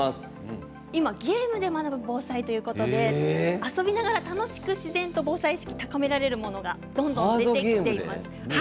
今ゲームで学ぶ防災ということで遊びながら楽しく自然と防災意識高められるものがどんどん出てきています。